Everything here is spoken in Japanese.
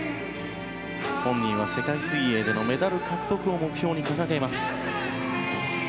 本人は世界水泳でのメダル獲得を目標に掲げます。